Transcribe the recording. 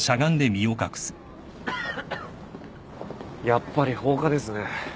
やっぱり放火ですね。